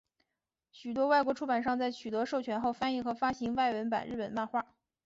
许多外国出版商在取得授权后翻译和发行外文版日本漫画。